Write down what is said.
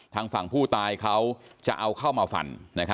ทางฝั่งผู้ตายเขาจะเอาเข้ามาฟัน